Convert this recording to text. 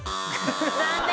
残念。